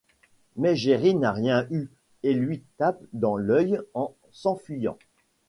Mais Jerry n'a rien eu et lui tape dans l'œil en s'enfuyant.